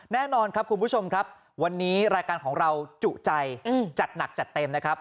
แน่นอนครับคุณผู้ชมครับวันนี้รายการของเราจุใจจัดหนักจัดเต็มนะครับ